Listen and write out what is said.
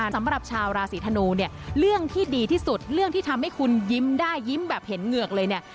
สำหรับชาวราศีธนูเนี่ยเรื่องที่ดีที่สุดเรื่องที่ทำให้คุณยิ้มได้ยิ้มแบบเห็นเหงือกเลยเนี่ย